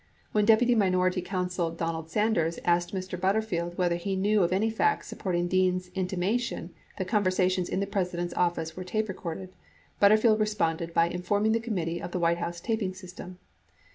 When Deputy Minority Counsel Donald Sanders asked Mr. Butterfield whether he knew of any facts supporting Dean's intimation that con versations in the President's office were tape recorded, Butterfield responded by informing the committee of the White House taping system.